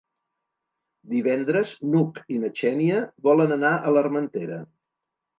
Divendres n'Hug i na Xènia volen anar a l'Armentera.